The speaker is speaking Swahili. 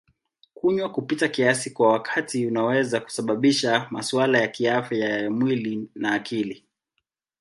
Kunywa kupita kiasi kwa wakati kunaweza kusababisha masuala ya kiafya ya mwili na akili.